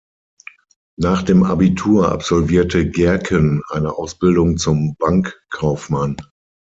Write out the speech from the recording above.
Nach dem Abitur absolvierte Gerken eine Ausbildung zum Bankkaufmann.